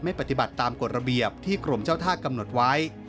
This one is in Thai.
ปฏิบัติตามกฎระเบียบที่กรมเจ้าท่ากำหนดไว้